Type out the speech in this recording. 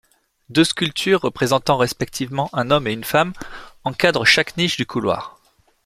Deux sculptures représentant respectivement un homme et une femme encadrent chaque niche du couloir.